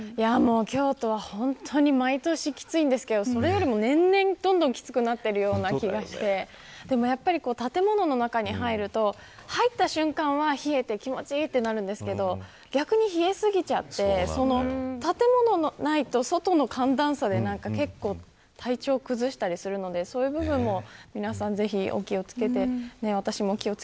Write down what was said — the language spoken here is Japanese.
京都は毎年きついんですけど年々きつくなっているような気がして建物の中に入ると入った瞬間は冷えて気持ち良いとなるんですけど逆に冷え過ぎちゃって建物内と外の寒暖差で体調崩したりするのでそういうのも皆さんお気を付けて。